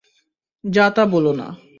যা-তা বলো না।